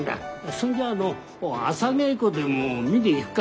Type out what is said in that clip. そんじゃああの朝稽古でも見に行くか？